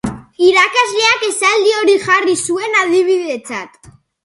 Irakasleak esaldi hori jarri zuen adibidetzat.